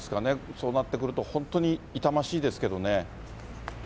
そうなってくると、本当に痛ましいですけどね。